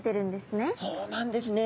そうなんですね。